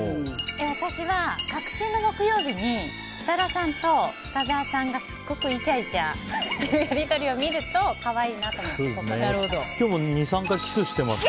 私は、隔週の木曜日に設楽さんと深澤さんがすっごくいちゃいちゃしているやり取りを見ると可愛いなと思います。